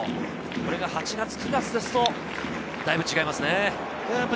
これが８月、９月ですと、だいぶ違いますね。